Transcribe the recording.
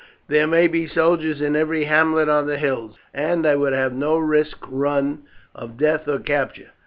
"There may be soldiers in every hamlet on the hills, and I would have no risk run of death or capture.